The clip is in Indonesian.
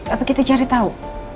apa kita cari tau